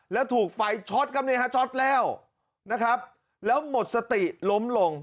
แล้วถูกไฟช็อตครับเนี่ยฮะช็อตแล้วนะครับแล้วหมดสติล้มลง